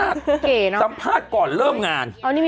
รับสามคนค่ะเพราะว่า